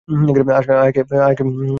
আয়াকে ডাকো না।